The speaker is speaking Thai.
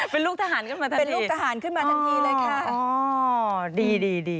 เป็นลูกทหารขึ้นมาทันที